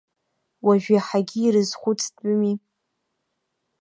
Уажә иаҳагьы ирызхәыцтәыми.